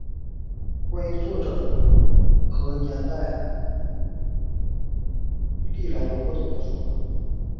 关于作者和年代历来有不同说法。